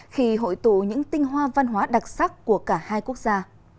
khi hội tụ những tinh hoa văn hóa đặc sắc của cả hai quốc gia